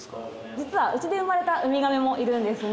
実はうちで生まれたウミガメもいるんですね。